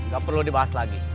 gak perlu dibahas lagi